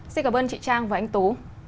xin cảm ơn chị trang và anh tú